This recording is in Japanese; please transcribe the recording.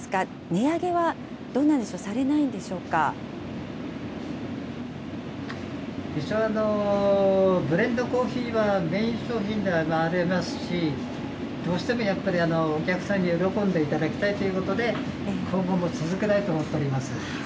値上げはどうなんでしょう、され一応、ブレンドコーヒーはメイン商品でありますし、どうしてもやっぱりお客さんに喜んでいただきたいということで、今後も続けたいと思っております。